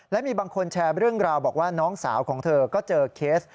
และมีบางคนแชร์เรื่องราวบอกว่าน้องสาวของเธอก็เจอเคส